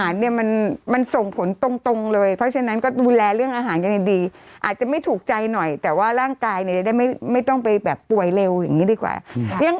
ร่างกายนี่จะได้ไม่ไม่ต้องไปแบบป่วยเร็วอย่างนี้ดีกว่ายัง